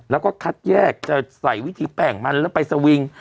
แล้วก็คัดแยกจะใส่วิธีแป้งมันแล้วไปสวิง